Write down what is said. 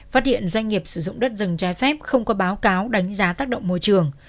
phát hiện doanh nghiệp sử dụng đất rừng trái phép không có báo cáo đánh giá tác động môi trường